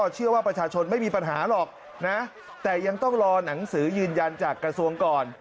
เชื่อว่าประชาชนไม่มีปัญหาหรอกนะแต่ยังต้องรอหนังสือยืนยันจากกระทรวงก่อน